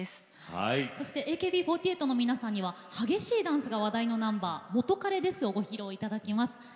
そしてＡＫＢ４８の皆さんには激しいダンスが話題のナンバー「元カレです」をご披露いただきます。